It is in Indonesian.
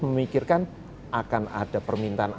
memikirkan akan ada permintaan